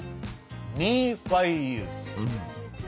「ミーファイユー」？